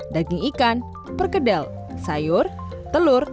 daging ikan perkedel sayur telur